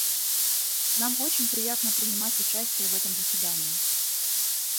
Нам очень приятно принимать участие в этом заседании.